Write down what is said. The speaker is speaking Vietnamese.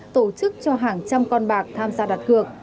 tổ chức cho hàng trăm con bạc tham gia đặt cược